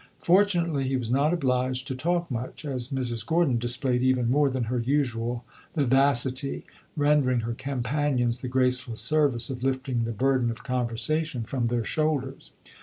Fortunately he was not obliged to talk much, as Mrs. Gordon displayed even more than her usual vivacity, rendering her companions the graceful service of lifting the burden of conversation from their shoulders.